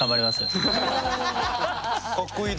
かっこいい。